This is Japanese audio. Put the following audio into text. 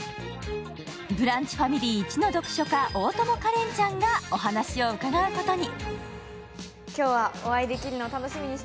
ブランチファミリーいちの読書家、大友花恋ちゃんがお話を伺うことに。